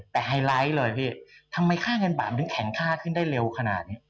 แต่ไฮไลท์เลยพี่ทำไมค่าเงินบาทมันถึงแข็งค่าขึ้นได้เร็วขนาดนี้